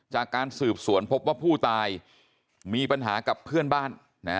จากการสืบสวนพบว่าผู้ตายมีปัญหากับเพื่อนบ้าน